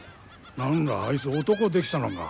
何らあいつ男できたのか？